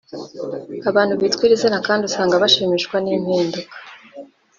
Abantu bitwa iri zina kandi usanga bashimishwa n’impinduka